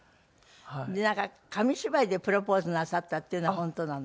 なんか紙芝居でプロポーズなさったっていうのは本当なの？